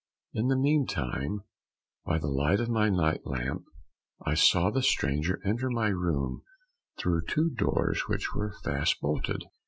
In the meantime, by the light of my night lamp, I saw the stranger enter my room through two doors which were fast bolted.